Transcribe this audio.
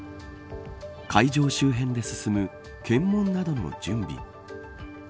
会場周辺で進む検問などの準備。